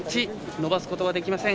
伸ばすことはできません。